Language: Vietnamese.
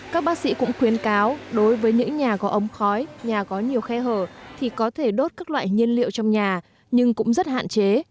các bác sĩ cũng khuyến cáo đối với những nhà có ống khói nhà có nhiều khe hở thì có thể đốt các loại nhiên liệu trong nhà nhưng cũng rất hạn chế